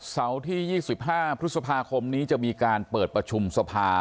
เสาร์ที่๒๕พฤษภาคมนี้จะมีการเปิดประชุมสภา